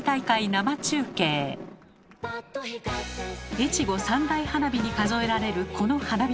「越後三大花火」に数えられるこの花火大会。